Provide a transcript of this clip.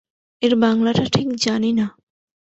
এর বাংলাটা ঠিক জানি না।